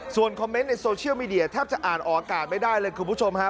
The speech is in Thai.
ส่วนคอมเมนต์ในโซเชียลมีเดียแทบจะอ่านออกอากาศไม่ได้เลยคุณผู้ชมฮะ